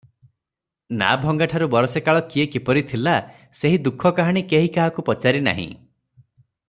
ନାଆ ଭଙ୍ଗାଠାରୁ ବରଷେ କାଳ କିଏ କିପରି ଥିଲା, ସେହି ଦୁଃଖକାହାଣୀ କେହି କାହାକୁ ପଚାରି ନାହିଁ ।